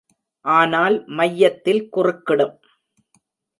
ஆனால், மையத்தில் குறுக்கிடும்.